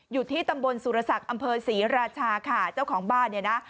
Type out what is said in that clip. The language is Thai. อยู่ที่ตำบลสุรศักดิ์อำเภอศรีราชาค่ะเจ้าของบ้านเนี่ยนะ